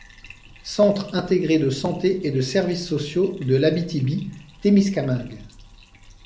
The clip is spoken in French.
Centre intégré de santé et de services sociaux de l’Abitibi-Témiscamingue.